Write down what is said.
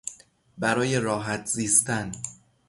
برای راحت زیستن